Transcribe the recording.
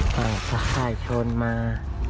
ต้นสะไข่ชนมา